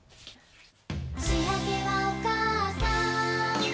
「しあげはおかあさん」